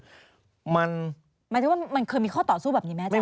หมายถึงว่ามันเคยมีข้อต่อสู้แบบนี้ไหมอาจาร